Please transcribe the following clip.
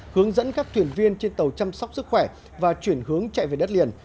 hướng dẫn các thuyền viên trên tàu chăm sóc sức khỏe và chuyển hướng chạy về đất liền